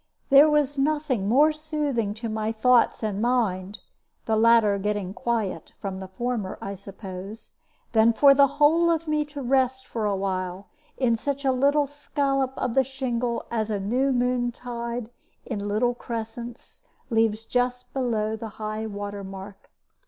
There was nothing more soothing to my thoughts and mind (the latter getting quiet from the former, I suppose) than for the whole of me to rest a while in such a little scollop of the shingle as a new moon tide, in little crescents, leaves just below high water mark.